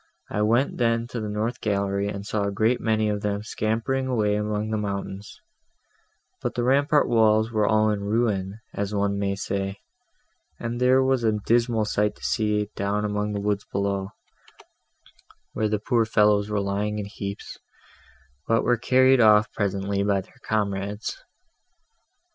I went then to the north gallery, and saw a great many of them scampering away among the mountains; but the rampart walls were all in ruins, as one may say, and there was a dismal sight to see down among the woods below, where the poor fellows were lying in heaps, but were carried off presently by their comrades.